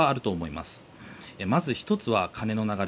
まず１つは、金の流れ。